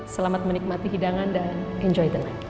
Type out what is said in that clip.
selamat menikmati hidangan dan enjoy the night